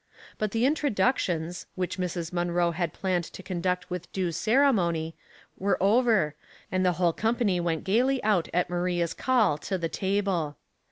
But the introductions, which Mrs. Munroe had planned to conduct with due ceremony, were over, and the whole company went gayly out at Maria's call to the table.